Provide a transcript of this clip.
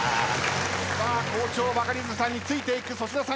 さあ好調バカリズムさんについていく粗品さん